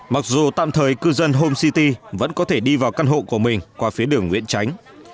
mặc dù tạm thời cư dân homes city vẫn có thể đi vào căn hộ của mình qua phía đường nguyễn tránh